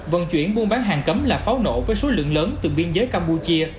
vận chuyển buôn bán hàng cấm là pháo nổ với số lượng lớn từ biên giới campuchia